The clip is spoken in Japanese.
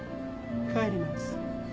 帰ります。